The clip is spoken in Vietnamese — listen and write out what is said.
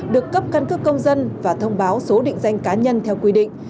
được cấp căn cước công dân và thông báo số định danh cá nhân theo quy định